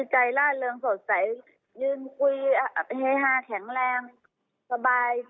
คือใจราดเรืองสดใสยืนคุยเฮฮาแข็งแรงสบาย